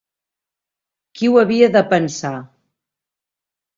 Qui ho havia de pensar!